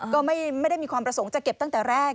ก็ไม่ได้มีความประสงค์จะเก็บตั้งแต่แรก